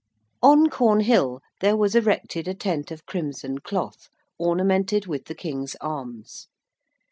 On Cornhill there was erected a tent of crimson cloth ornamented with the King's arms.